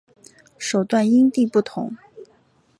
手段因地不同。